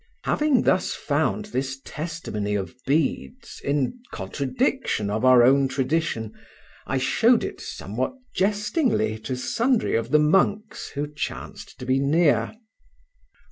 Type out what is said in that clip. Having thus found this testimony of Bede's in contradiction of our own tradition, I showed it somewhat jestingly to sundry of the monks who chanced to be near.